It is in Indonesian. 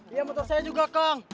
dia motor saya juga kang